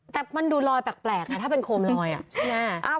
แต่มันดูลอยแปลกค่ะถ้าเป็นโคมลอยอ่ะช่วงหน้า